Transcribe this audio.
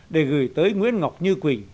để gửi tới nguyễn ngọc như quỳnh